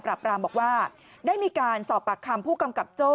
รามบอกว่าได้มีการสอบปากคำผู้กำกับโจ้